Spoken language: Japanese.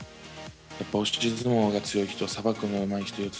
やっぱ押し相撲が強い人、さばくのがうまい人、四つ